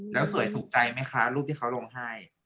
แล้วสวยถูกใจไหมคะรูปที่เขาลงให้